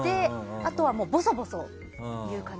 あとは、ぼそぼそ言う感じ。